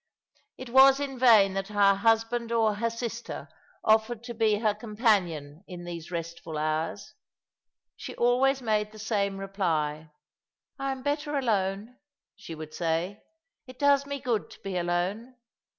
It wag in vain that hor husband or her sister offered to bQ 270 All along the River, her companion in these restful hours. She always made the same reply. " I am better alone," she would say. " It does me good to bo alone.